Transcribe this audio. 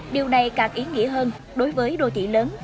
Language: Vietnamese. điều này càng ý nghĩa hơn đối với đô thị lớn